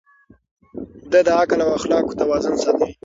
ده د عقل او اخلاقو توازن ساته.